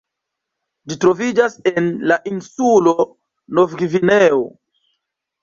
Ĝi troviĝas en la insulo Novgvineo.